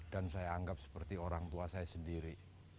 dan saya anggap seperti orang tua saya sendiri